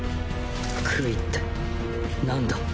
悔いってなんだ。